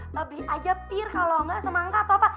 beli aja pir kalau enggak semangka atau apa